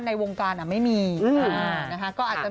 ในวงการแหละก็ไม่มี